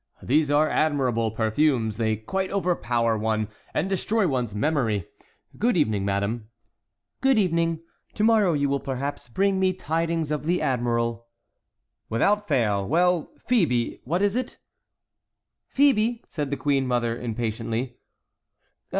These are admirable perfumes; they quite overpower one, and destroy one's memory. Good evening, madame." "Good evening! To morrow you will perhaps bring me tidings of the admiral." "Without fail—Well, Phœbe, what is it?" "Phœbe!" said the queen mother, impatiently.